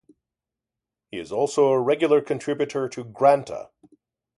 He is also a regular contributor to "Granta".